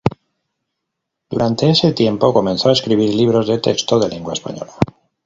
Durante ese tiempo, comenzó a escribir libros de texto de lengua española.